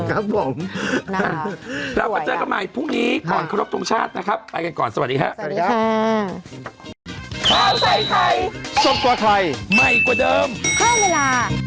ครับผมแล้วมาเจอกันใหม่พรุ่งนี้ก่อนครบตรงชาตินะครับไปกันก่อนสวัสดีค่ะสวัสดีค่ะ